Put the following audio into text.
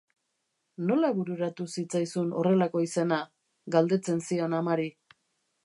Nola bururatu zitzaizun horrelako izena? Galdetzen zion amari.